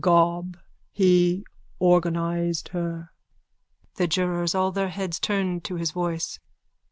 Gob, he organised her. THE JURORS: _(All their heads turned to his voice.)